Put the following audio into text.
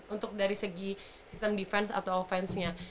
untuk dari segi sistem defense atau offense nya